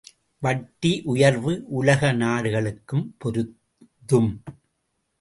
வட்டி உயர்வு உலக நாடுகளுக்கும் பொருந்தும்.